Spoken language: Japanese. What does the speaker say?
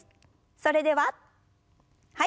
それでははい。